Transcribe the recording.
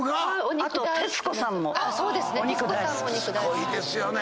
すごいですよね。